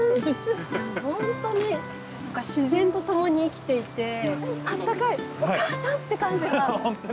本当に自然と共に生きていてあったかいお母さんって感じがすごくしました。